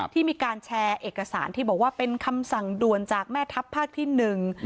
ที่มีการแชร์เอกสารที่บอกว่าเป็นคำสั่งด่วนจากแม่ทัพภาคที่หนึ่ง